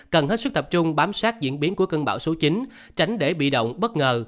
cần hết sức tập trung bám sát diễn biến của cơn bão số chín tránh để bị động bất ngờ